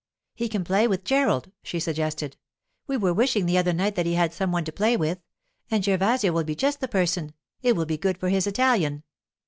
'He can play with Gerald,' she suggested. 'We were wishing the other night that he had some one to play with, and Gervasio will be just the person; it will be good for his Italian.